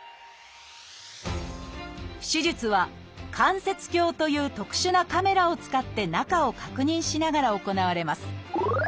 手術は「関節鏡」という特殊なカメラを使って中を確認しながら行われます。